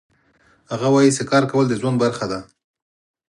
هغه وایي چې کار کول د ژوند برخه ده